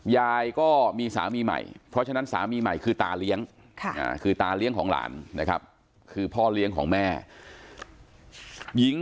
ยายก็มีสามีใหม่เพราะฉะนั้นสามีใหม่คือตาเลี้ยง